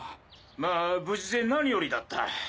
まあ無事で何よりだった。